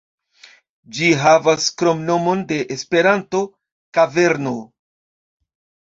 Ĝi havas kromnomon de Esperanto, "Kaverno".